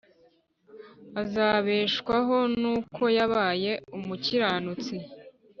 azabeshwaho nuko yabaye umukiranutsi